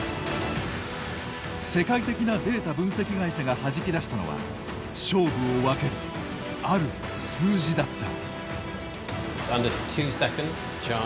世界的なデータ分析会社がはじき出したのは勝負を分けるある数字だった。